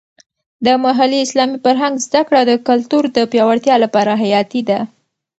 د محلي اسلامي فرهنګ زده کړه د کلتور د پیاوړتیا لپاره حیاتي ده.